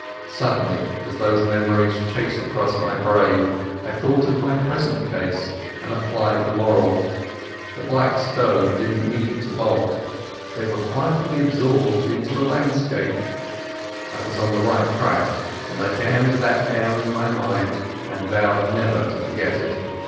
Suddenly as these memories chased across my brain I thought of my present case and applied the moral. The Black Stone didn't need to bolt. They were quietly absorbed into the landscape. I was on the right track, and I jammed that down in my mind and vowed never to forget it.